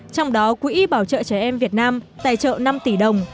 trong đó quỹ bảo trợ trẻ em việt nam tài trợ năm tỷ đồng